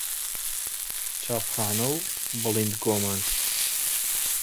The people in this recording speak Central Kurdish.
چاپخانە و بڵیندگۆمان